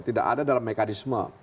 tidak ada dalam mekanisme